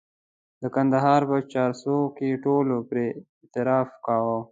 د کندهار په چارسو کې ټولو پرې اعتراف کاوه.